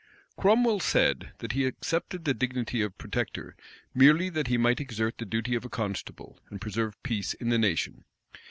Cromwell said, that he accepted the dignity of protector, merely that he might exert the duty of a constable, and preserve peace in the nation.